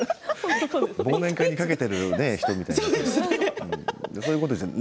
忘年会に懸けている人みたいですよね。